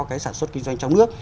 cái sản xuất kinh doanh trong nước